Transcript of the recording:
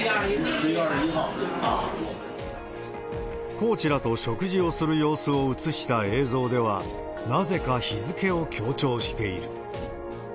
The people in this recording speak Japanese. コーチらと食事をする様子を映した映像では、なぜか日付を強調している。